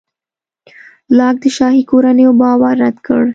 لاک د شاهي کورنیو باور رد کړ.